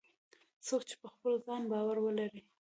څوک چې په خپل ځان باور ولري